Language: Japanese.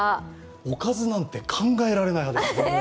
おかずなんて考えられない派です。